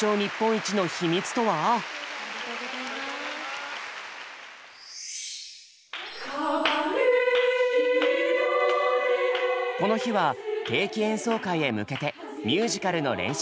この日は定期演奏会へ向けてミュージカルの練習中。